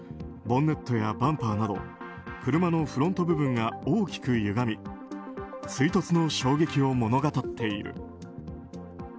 ボンネットやバンパーなど車のフロント部分が大きくゆがみ追突の衝撃を物語っている。